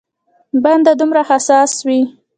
بنده دومره حساس وي.